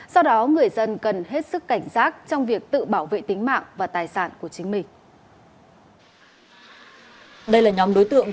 do đó người dân cần hết sức cảnh giác trong việc tự bảo vệ tính mạng và tài sản của chính mình